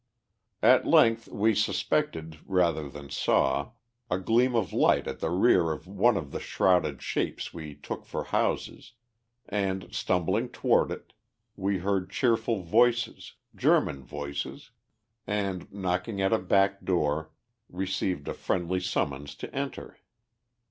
At length we suspected, rather than saw, a gleam of light at the rear of one of the shrouded shapes we took for houses, and, stumbling toward it, we heard cheerful voices, German voices; and, knocking at a back door, received a friendly summons to enter.